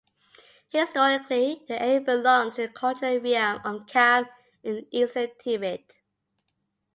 Historically, the area belongs to the cultural realm of Kham in eastern Tibet.